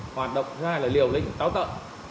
hoạt động ra là liều lĩnh táo tợn